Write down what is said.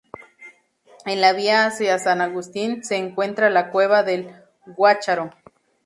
En la vía hacia San Agustín se encuentra la Cueva del Guácharo.